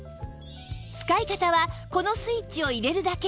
使い方はこのスイッチを入れるだけ